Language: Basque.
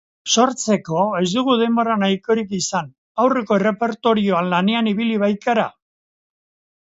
Sortzeko, ez dugu denbora nahikorik izan, aurreko errepertorioan lanean ibili baikara.